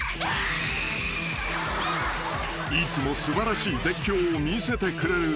［いつも素晴らしい絶叫を見せてくれる］